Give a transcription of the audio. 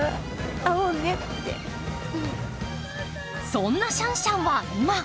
そんなシャンシャンは今？